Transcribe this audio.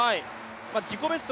自己ベスト